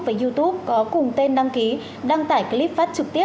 và youtube có cùng tên đăng ký đăng tải clip phát trực tiếp